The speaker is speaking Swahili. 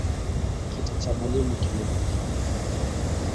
Kiti cha mwalimu kimevunjika.